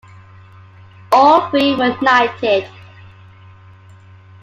All three were knighted.